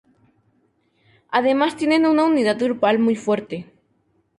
Además tienen una unidad grupal muy fuerte.